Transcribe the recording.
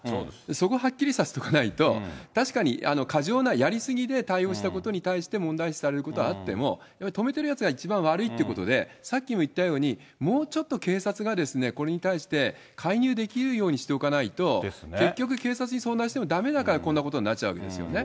そこはっきりさせとかないと、確かに過剰な、やりすぎで対応したことに対して問題視されることはあっても、やはり止めてるやつが一番悪いってやつで、さっきも言ったように、もうちょっと警察がですね、これに対して介入できるようにしておかないと、結局、警察に相談してもだめだからこんなことになっちゃうわけですよね。